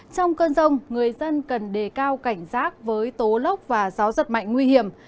trong cơn rông người dân cần đề cao cảnh giác với tố lốc và gió giật mạnh nguy hiểm